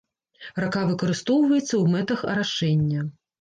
Рака выкарыстоўваецца ў мэтах арашэння.